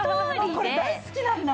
これ大好きなんだもん。